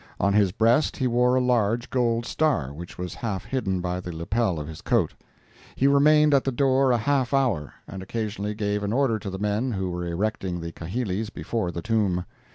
On his breast he wore a large gold star, which was half hidden by the lapel of his coat. He remained at the door a half hour, and occasionally gave an order to the men who were erecting the kahilis before the tomb.